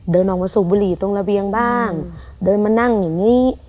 เดินออกมาสูบบุหรี่ตรงระเบียงบ้างเดินมานั่งอย่างงี้